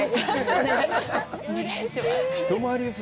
お願いします。